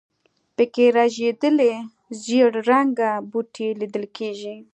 په کې رژېدلي زېړ رنګه بوټي لیدل کېږي.